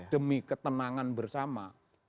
demi ketenangan bersama